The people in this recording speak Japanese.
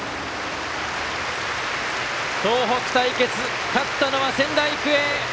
東北対決勝ったのは仙台育英。